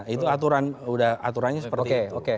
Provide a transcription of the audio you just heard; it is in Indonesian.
itu aturannya seperti itu